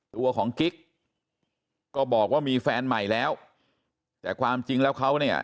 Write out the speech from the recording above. ตัวของกิ๊กก็บอกว่ามีแฟนใหม่แล้วแต่ความจริงแล้วเขาเนี่ย